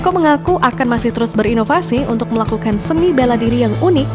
eko mengaku akan masih terus berinovasi untuk melakukan seni bela diri yang unik